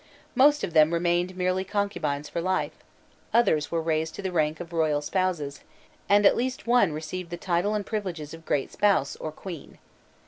Most of them remained merely concubines for life, others were raised to the rank of "royal spouses," and at least one received the title and privileges of "great spouse," or queen.